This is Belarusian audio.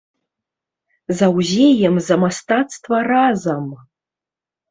Заўзеем за мастацтва разам!